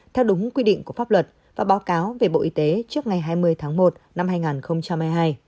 theo đúng quy định của pháp luật và báo cáo về bộ y tế trước ngày hai mươi tháng một năm hai nghìn hai mươi hai